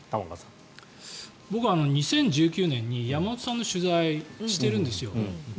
僕は２０１９年に山本さんの取材をしているんですよ。